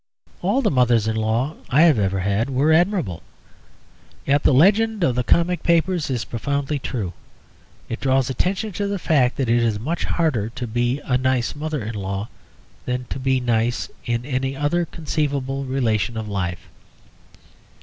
All the mothers in law I have ever had were admirable. Yet the legend of the comic papers is profoundly true. It draws attention to the fact that it is much harder to be a nice mother in law than to be nice in any other conceivable relation of life.